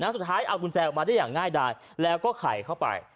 สุดท้ายเอากุญแจออกมาได้อย่างง่ายดายแล้วก็ไข่เข้าไป